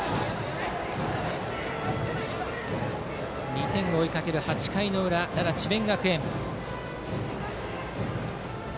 ２点を追いかける８回の裏奈良・智弁学園。